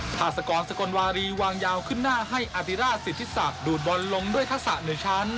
ภาษากรสกลวารีวางยาวขึ้นหน้าให้อธิราชศิษฐศัพท์ดูดบนลงด้วยคักษะเหนือชั้น